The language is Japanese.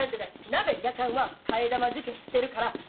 なべやかんは替え玉受験してるから「○」！